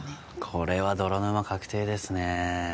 これは泥沼確定ですね